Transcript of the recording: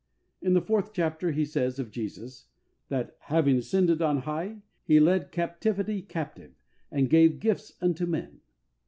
In the fourth chapter, he says of Jesus that, " having ascended on high. He led captivity captive and gave gifts unto men.